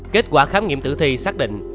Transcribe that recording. kết quả khám nghiệm tử thi xác định